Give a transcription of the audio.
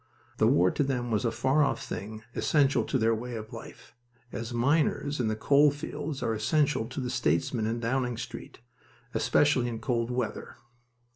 The war to them was a far off thing essential to their way of life, as miners in the coal fields are essential to statesmen in Downing Street, especially in cold weather.